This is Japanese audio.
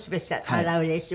あらうれしい。